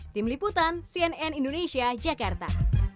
tim liputan cnn indonesia jakarta